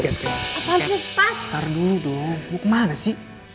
apaan sih pas